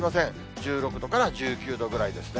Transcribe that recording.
１６度から１９度ぐらいですね。